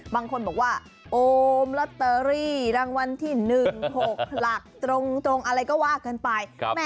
บางคนบอกว่าโอมลอตเตอรี่รางวัลที่๑๖หลักตรงอะไรก็ว่ากันไป